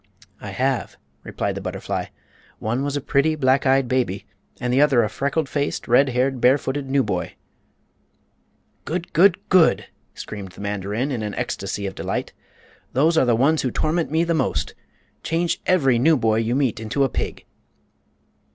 "I have," replied the butterfly. "One was a pretty, black eyed baby, and the other a freckle faced, red haired, barefooted newboy." "Good! Good! Good!" screamed the mandarin, in an ecstasy of delight. "Those are the ones who torment me the most! Change every newboy you meet into a pig!"